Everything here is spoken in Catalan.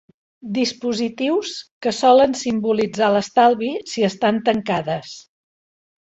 Dispositius que solen simbolitzar l'estalvi, si estan tancades.